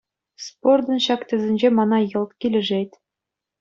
Спортӑн ҫак тӗсӗнче мана йӑлт килӗшет.